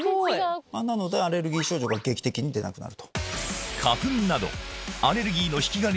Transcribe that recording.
なのでアレルギー症状が劇的に出なくなる。